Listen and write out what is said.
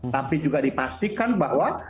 tapi juga dipastikan bahwa